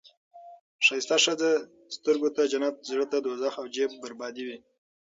ښایسته ښځه سترګو ته جنت، زړه ته دوزخ او جیب بربادي وي.